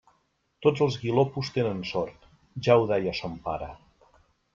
Tots els guilopos tenen sort: ja ho deia son pare.